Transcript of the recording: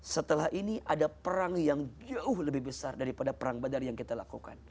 setelah ini ada perang yang jauh lebih besar daripada perang badar yang kita lakukan